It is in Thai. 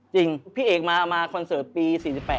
จริงพี่เอกมาคอนเสิร์ตปี๔๘